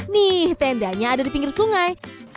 nih tendanya ada di pinggir sungai